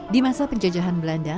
di masa penjajahan belanda